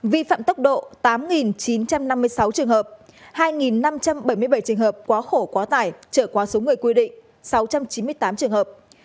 vi phạm tốc độ tám chín trăm năm mươi sáu trường hợp hai năm trăm bảy mươi bảy trường hợp quá khổ quá tải trở qua số người quy định sáu trăm chín mươi tám trường hợp